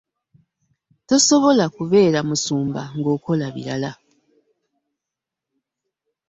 Tosobola kubeera musumba ng'okola birala.